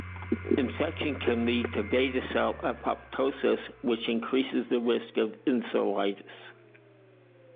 Infection can lead to beta-cell apoptosis which increases the risk of insulitis.